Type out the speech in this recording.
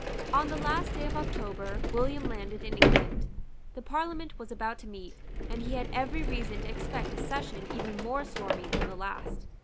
On the last day of October William landed in England. The Parliament was about to meet; and he had every reason to expect a session even more stormy than the last.